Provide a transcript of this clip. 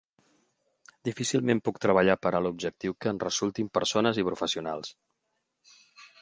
Difícilment puc treballar per a l’objectiu que en resultin persones i professionals.